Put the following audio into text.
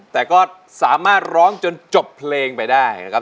แต่ก็สามารถร้องจนจบเพลงไปได้นะครับ